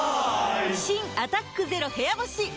新「アタックＺＥＲＯ部屋干し」解禁‼